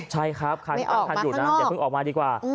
ใช่ครับใครตั้งคันอยู่นะอย่าเพิ่งออกมาดีกว่า